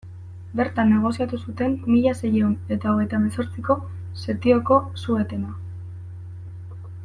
Bertan negoziatu zuten mila seiehun eta hogeita hemezortziko setioko suetena.